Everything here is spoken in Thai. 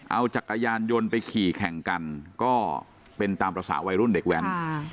เอาจักรยานยนต์ไปขี่แข่งกันก็เป็นตามภาษาวัยรุ่นเด็กแว้น